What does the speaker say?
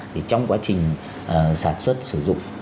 trong quá trình sản xuất sử dụng